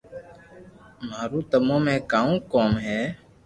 مارو تمو ۾ ڪاؤ ڪوم ھي